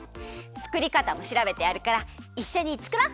つくりかたもしらべてあるからいっしょにつくろう！